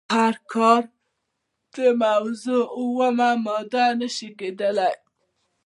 خو هره کاري موضوع اومه ماده نشي کیدای.